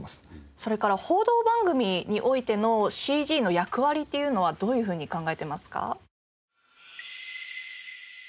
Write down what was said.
それから報道番組においてのＣＧの役割というのはどういうふうに考えてますか？